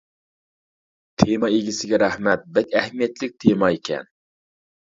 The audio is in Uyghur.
تېما ئىگىسىگە رەھمەت، بەك ئەھمىيەتلىك تېما ئىكەن.